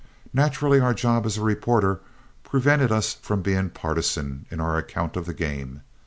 Naturally our job as a reporter prevented us from being partisan in our account of the game.